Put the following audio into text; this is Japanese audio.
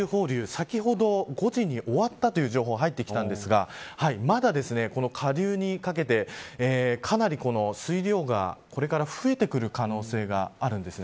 先ほど５時に終わったという情報がありましたがまだ、この下流にかけてかなり水量がこれから増えてくる可能性があるんです。